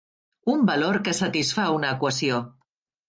Un valor que satisfà una equació.